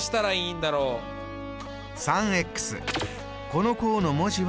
この項の文字は。